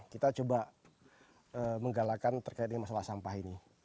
kita coba menggalakan terkait dengan masalah sampah ini